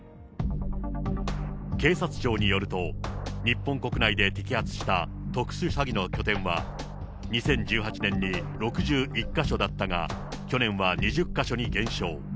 警察庁によると、日本国内で摘発した特殊詐欺の拠点は、２０１８年に６１か所だったが、去年は２０か所に減少。